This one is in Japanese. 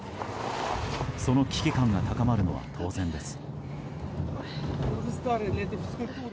その危機感が高まるのは当然です。